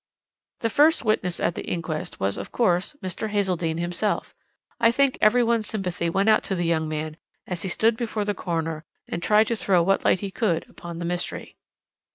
"The first witness at the inquest was, of course, Mr. Hazeldene himself. I think every one's sympathy went out to the young man as he stood before the coroner and tried to throw what light he could upon the mystery.